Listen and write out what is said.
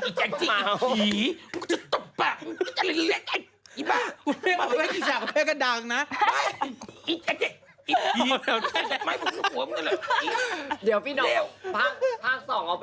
เดี๋ยวปีน้องพัก๒เอาไปเถอะไปเล่นนะ